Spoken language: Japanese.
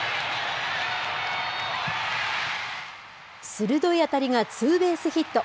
鋭い当たりがツーベースヒット。